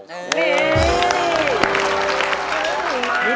นี่